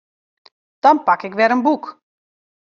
Dan pak ik wer in boek.